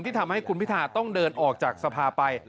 ทำให้คุณพิทาต้องเดินออกจากสภาไป